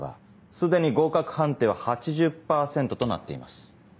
既に合格判定は８０％となっています。